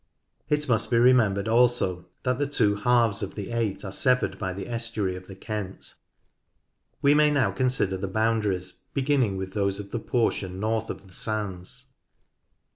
It must be remembered also that the two halves of the eight are severed by the estuary of the Kent. We may now consider the boundaries, beginning with those of the portion north of the sands.